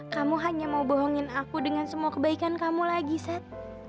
kamu hanya mau bohongin aku dengan semua kebaikan kamu lagi sat